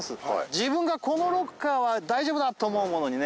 自分がこのロッカーは大丈夫だと思うものにね